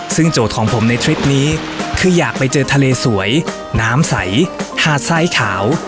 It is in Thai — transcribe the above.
ซึ่งโจทย์ของผมในทริปนี้คืออยากไปเจอทะเลสวยน้ำใสหาดทรายขาว